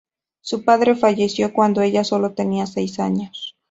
Su padre falleció cuando ella solo tenía seis años.